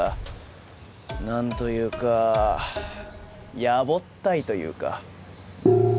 何というかやぼったいというか。